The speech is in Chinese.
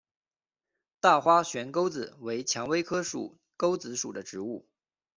大花悬钩子为蔷薇科悬钩子属的植物。